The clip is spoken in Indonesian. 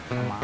aduh mah bro